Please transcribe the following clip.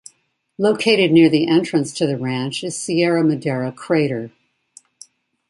Located near the entrance to the ranch is Sierra Madera crater.